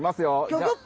ギョギョッ！